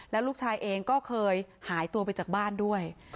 แล้วลูกชายเองก็เคยหายตัวไปจากบ้านด้วย